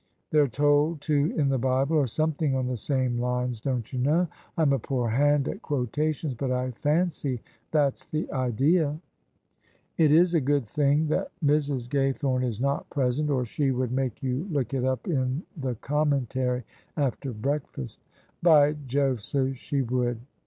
They're told to in the Bible, or something on the same lines, don't you know? I'm a poor hand at quotations, but I fancy that's the idea." " It is a good thing that Mrs. Gaythome is not present, or she would make you look it up in the G)mmentary after breakfast." " By Jove, so she would